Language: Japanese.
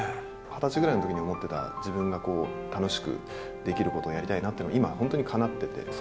２０歳ぐらいのときに思ってた、自分が楽しくできることをやりたいなっていうのは、今、本当にかなってて。